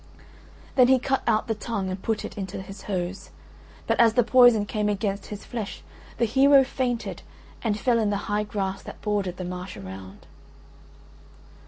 Then he cut out the tongue and put it into his hose, but as the poison came against his flesh the hero fainted and fell in the high grass that bordered the marsh around.